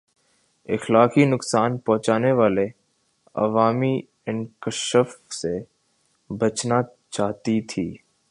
اخلاقی نقصان پہچانے والے عوامی انکشاف سے بچنا چاہتی تھِی